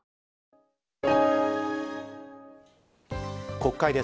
国会です。